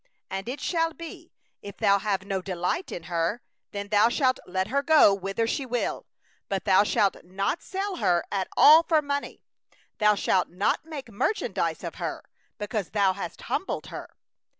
14And it shall be, if thou have no delight in her, then thou shalt let her go whither she will; but thou shalt not sell her at all for money, thou shalt not deal with her as a slave, because thou hast humbled her.